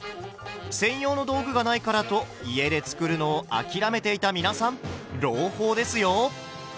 専用の道具がないからと家で作るのを諦めていた皆さん朗報ですよ！